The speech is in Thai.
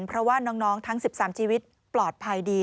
เพราะว่าน้องทั้ง๑๓ชีวิตปลอดภัยดี